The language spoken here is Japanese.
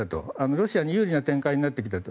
ロシアに有利な展開になってきたと。